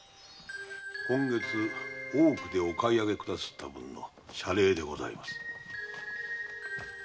今月大奥でお買い上げくださった分の謝礼でございます。